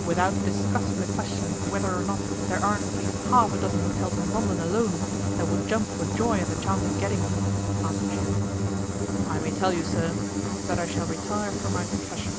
'Without discussing the question whether or not there aren't at least half a dozen hotels in London alone that would jump for joy at the chance of getting me,' answered Jules, 'I may tell you, sir, that I shall retire from my profession.